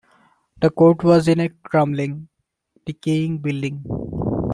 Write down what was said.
The court was in a crumbling, decaying building.